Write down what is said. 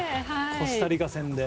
コスタリカ戦で。